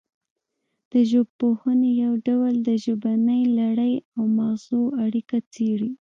د ژبپوهنې یو ډول د ژبنۍ لړۍ او مغزو اړیکه څیړي